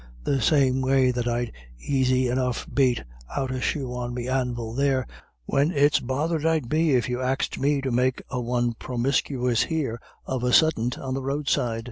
The same way that I'd aisy enough bate out a shoe on me anvil there, when it's bothered I'd be if you axed me to make a one promiscuous here of a suddint on the roadside."